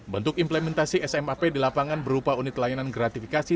bentuk implementasi smap di lapangan berupa unit layanan gratifikasi